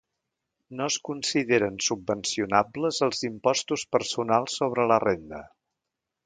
No es consideren subvencionables els impostos personals sobre la renda.